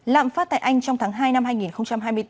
lạm phát tại anh trong tháng hai năm hai nghìn hai mươi bốn